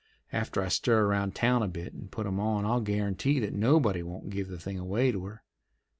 After I stir around town a bit and put 'em on I'll guarantee that nobody won't give the thing away to her.